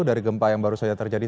dari gempa yang baru saja terjadi